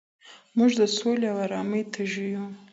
موږ د سولې او ارامۍ تږي یو.